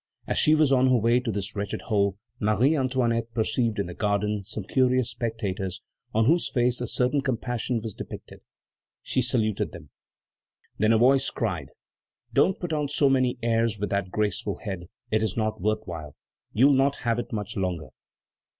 As she was on her way to this wretched hole, Marie Antoinette perceived in the garden some curious spectators on whose faces a certain compassion was depicted. She saluted them. Then a voice cried: "Don't put on so many airs with that graceful head; it is not worth while. You'll not have it much longer."